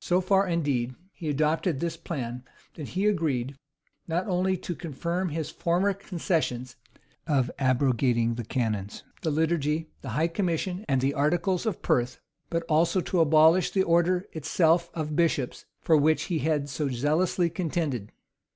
So far, indeed, he adopted this plan, that he agreed, not only to confirm his former concessions, of abrogating the canons, the liturgy, the high commission, and the articles of Perth, but also to abolish the order itself of bishops, for which he had so zealously contended.